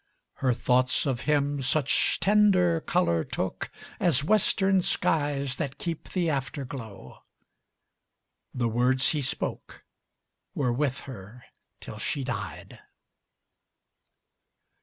Her thoughts of him such tender color tookAs western skies that keep the afterglow. The words he spoke were with her till she died.